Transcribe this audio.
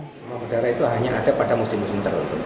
demam berdarah itu hanya ada pada musim musim terutut